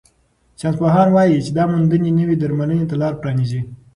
ساینسپوهان وايي چې دا موندنې نوې درملنې ته لار پرانیزي.